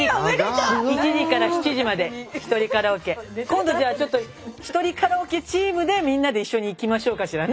今度じゃあ１人カラオケチームでみんなで一緒に行きましょうかしらね。